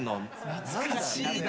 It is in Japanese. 懐かしいね。